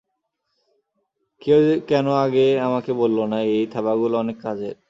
কেউ কেন আগে আমাকে বললো না এই থাবাগুলো অনেক কাজের?